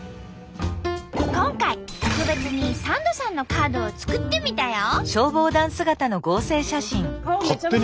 今回特別にサンドさんのカードを作ってみたよ！